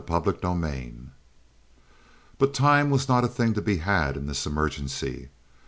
Chapter XXIX But time was not a thing to be had in this emergency.